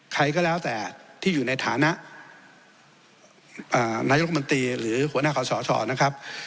ใครก็แล้วแต่ที่อยู่ในฐานะนายกรมนตรีหรือหัวหน้าขอสชนะครับ